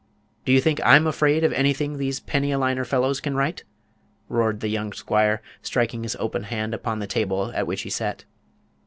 Do you think I'm afraid of anything these penny a liner fellows can write?" roared the young squire, striking his open hand upon the table at which he sat.